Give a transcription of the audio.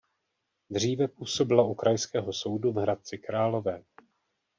Dříve působila u Krajského soudu v Hradci Králové.